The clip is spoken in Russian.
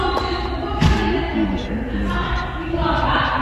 Звуки и рисунки вибраций